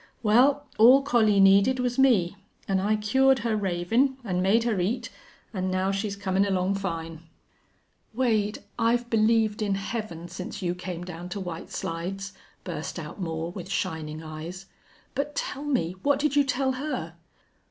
Well, all Collie needed was me, an' I cured her ravin' and made her eat, an' now she's comin' along fine." "Wade, I've believed in Heaven since you came down to White Slides," burst out Moore, with shining eyes. "But tell me what did you tell her?"